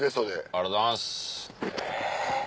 ありがとうございます。